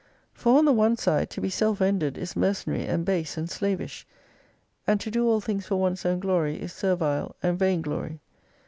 For on the one side, to be self ended is mercenary and base and slavish ; and to do all things for one's own glory is servile, and vainglory.